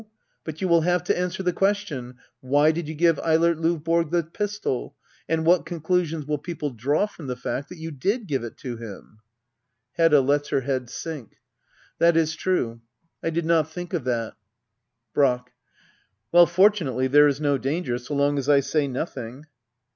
But you will have to answer the question : Why did you give Eilert Lovborg the pistol ? And what conclusions will people draw from the fact that you did give it to him ? Hedda. * [Lets her head sink,] That is true. I did not think of that. Brack. Well, fortunately, there is no danger, so long as I say nothing.